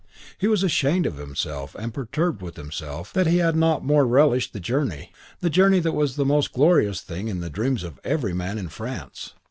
He was ashamed of himself and perturbed with himself that he had not more relished the journey: the journey that was the most glorious thing in the dreams of every man in France.